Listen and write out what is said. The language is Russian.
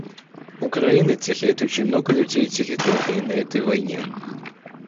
Украина теряет очень много людей и территории на этой войне.